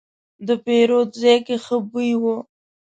د پیرود ځای کې ښه بوی و.